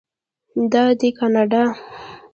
دا دی کاناډا.